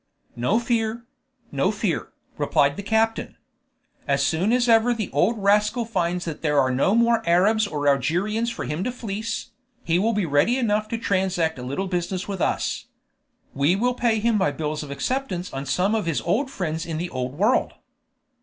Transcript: "No fear; no fear," replied the captain. "As soon as ever the old rascal finds that there are no more Arabs or Algerians for him to fleece, he will be ready enough to transact a little business with us. We will pay him by bills of acceptance on some of his old friends in the Old World."